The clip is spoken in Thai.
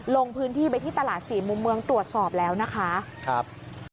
ลงพื้นที่ไปที่ตลาดสี่มุมเมืองตรวจสอบแล้วนะคะครับ